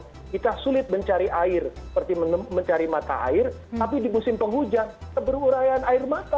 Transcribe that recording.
jadi kita sulit mencari air seperti mencari mata air tapi di musim penghujan terberurayaan air mata